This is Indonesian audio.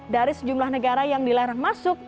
dari sejumlah negara yang dilarang masuk